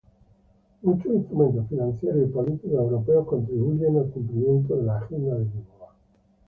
Muchos instrumentos financieros y políticos europeos contribuyen al cumplimiento de la Agenda de Lisboa.